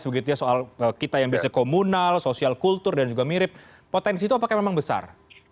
begitu ya soal kita yang biasanya komunal sosial kultur dan juga mirip potensi itu apakah memang besar